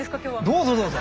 どうぞどうぞ！